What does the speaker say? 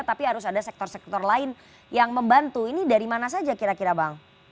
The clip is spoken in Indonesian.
tapi harus ada sektor sektor lain yang membantu ini dari mana saja kira kira bang